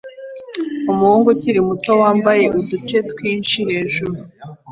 Umuhungu ukiri muto wambaye uduce twinshi hejuru